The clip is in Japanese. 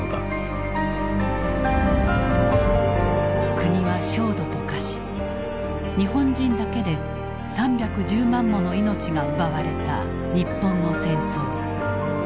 国は焦土と化し日本人だけで３１０万もの命が奪われた日本の戦争。